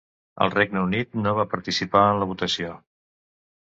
El Regne Unit no va participar en la votació.